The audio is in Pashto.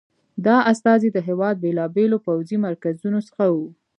دا استازي د هېواد بېلابېلو پوځي مرکزونو څخه وو.